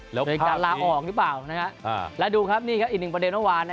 หรือการลาออกหรือเปล่าและดูครับนี่อีกหนึ่งประเด็นวัน